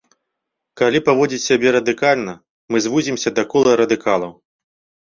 Калі паводзіць сябе радыкальна, мы звузімся да кола радыкалаў.